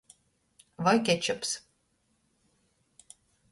Voi kečups.